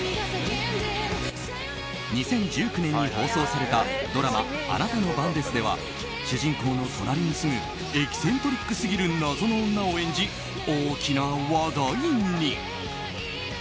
２０１９年に放送されたドラマ「あなたの番です」では主人公の隣に住むエキセントリックすぎる謎の女を演じ、大きな話題に。